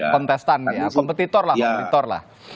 kontestan ya kompetitor lah